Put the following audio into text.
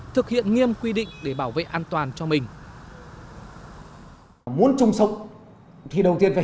thực hiện nghiêm quy định để bảo vệ an toàn cho mình